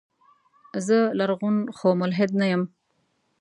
زه لرغون خو ملحد نه يم.